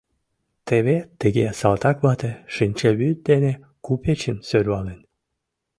Теве тыге салтаквате шинчавӱд дене купечым сӧрвален.